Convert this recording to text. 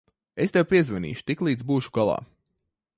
Es tev piezvanīšu, tiklīdz būšu galā.